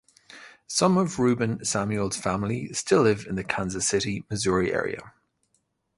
Some of Reuben Samuel's family still live in the Kansas City, Missouri area.